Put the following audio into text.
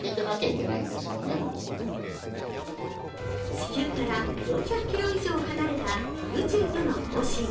地球から４００ｋｍ以上離れた宇宙との交信。